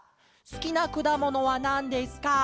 「すきなくだものはなんですか？